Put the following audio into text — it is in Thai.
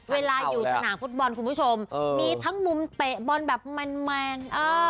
เวลาอยู่สนามฟุตบอลคุณผู้ชมมีทั้งมุมเตะบอลแบบแมน